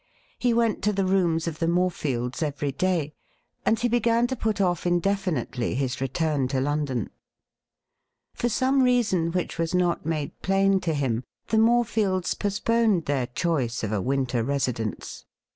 He went to the rooms of the Morefields every day, and he began to put off indefinitely jhis return to London. For some reason which was not :made plain to him, the Morefields postponed their choice 'of a winter residence.